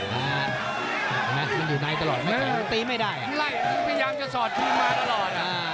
มันอยู่นายตลอดตีไม่ได้นายก็พยายามจะสอดที่มาตลอด